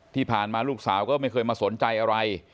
ที่ผ่านมาลูกสาวก็ไม่เคยมาสนใจอะไร